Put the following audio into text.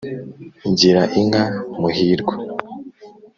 gira inka muhirwa